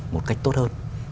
một cách tốt hơn